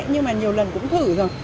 nhưng mà nhiều lần cũng thử rồi